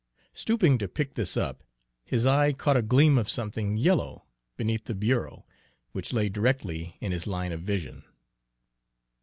Stooping to pick this up, his eye caught a gleam of something yellow beneath the bureau, which lay directly in his line of vision.